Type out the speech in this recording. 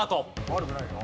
悪くないよ。